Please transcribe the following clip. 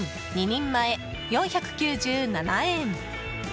２人前、４９７円。